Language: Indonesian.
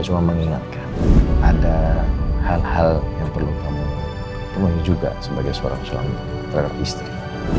cuma mengingatkan ada hal hal yang perlu kamu penuhi juga sebagai seorang suami terhadap istri